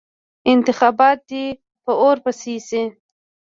انتخابات دې په اور پسې شي.